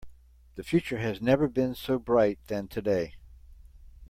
The future has never been so bright than today.